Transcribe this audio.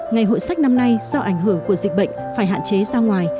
ngày hội sách năm nay do ảnh hưởng của dịch bệnh phải hạn chế ra ngoài